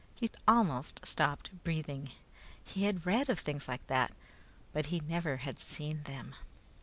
He almost stopped breathing. He had read of things like that, but he never had seen them.